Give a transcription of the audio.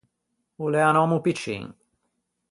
O l’ea un òmmo piccin.